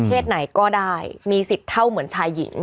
ไหนก็ได้มีสิทธิ์เท่าเหมือนชายหญิง